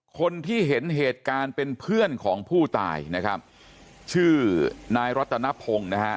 คนที่เห็นเหตุการณ์เป็นเพื่อนของผู้ตายนะครับชื่อนายรัตนพงศ์นะฮะ